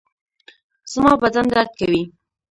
زما بدن درد کوي